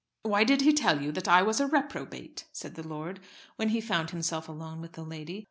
"Why did he tell you that I was a reprobate?" said the lord, when he found himself alone with the lady.